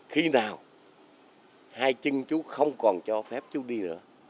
khi nào hai chân chú không còn cho phép chú đi nữa